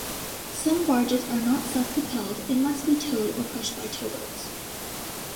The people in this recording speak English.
Some barges are not self-propelled and must be towed or pushed by towboats.